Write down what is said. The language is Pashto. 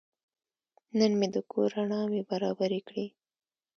نن مې د کور رڼاوې برابرې کړې.